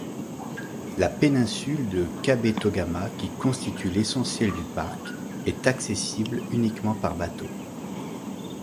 La péninsule de Kabetogama qui constitue l'essentiel du parc, est accessible uniquement par bateau.